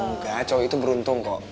enggak acau itu beruntung kok